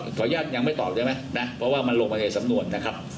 ขออนุญาตยังไม่ตอบได้ไหมนะเพราะว่ามันลงไปในสำนวนนะครับ